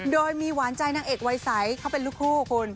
โดยมีหวานใจนางเอกวัยใสเขาเป็นลูกคู่คุณ